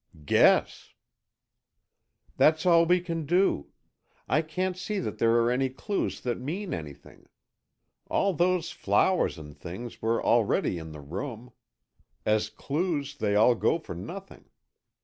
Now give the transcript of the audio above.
"Guess!" "That's all we can do. I can't see that there are any clues that mean anything. All those flowers and things were already in the room. As clues, they all go for nothing.